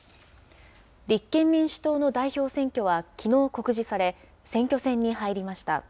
立憲民主党の代表選挙はきのう告示され、選挙戦に入りました。